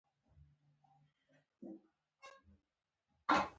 رحمت الله مبین